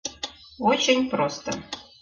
— Очень просто.